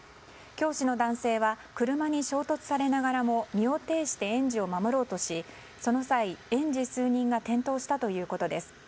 教師の男性は車に衝突されながらも身を挺して園児を守ろうとしその際、園児数人が転倒したということです。